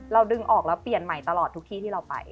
ดึงออกแล้วเปลี่ยนใหม่ตลอดทุกที่ที่เราไป